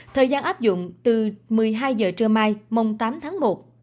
thời gian áp dụng từ một mươi hai giờ trưa mai mông tám tháng một